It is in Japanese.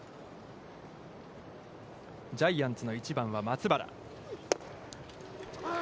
ジャイアンツの１番は松原。